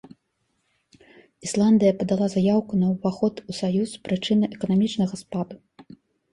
Ісландыя падала заяўку на уваход ў саюз з прычыны эканамічнага спаду.